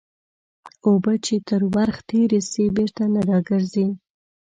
اوبه چې تر ورخ تېري سي بېرته نه راګرځي.